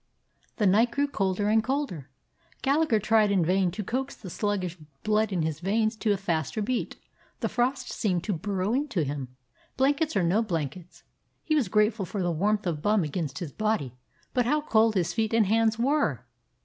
The night grew colder and colder. Gal lagher tried in vain to coax the sluggish blood in his veins to a faster beat; the frost seemed to burrow into him, blankets or no blankets. He was grateful for the warmth of Bum against his body, but how cold his feet and hands were!